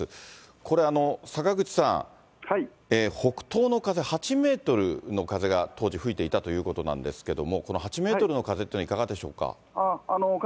これ、坂口さん、北東の風８メートルの風が当時吹いていたということなんですけれども、この８メートルの風っていうのはいかがでしょうか。